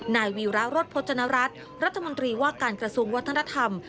นายวีระรถพจนรัฐรัฐรัฐมนตรีว่าการกระทรวงวัฒนธรรม